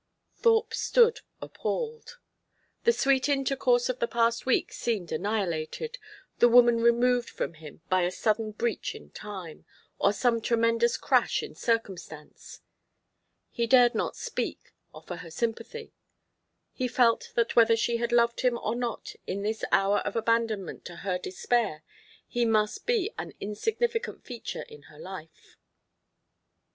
Thorpe stood appalled. The sweet intercourse of the past week seemed annihilated, the woman removed from him by a sudden breach in time, or some tremendous crash in Circumstance. He dared not speak, offer her sympathy. He felt that whether she had loved him or not in this hour of abandonment to her despair, he must be an insignificant feature in her life.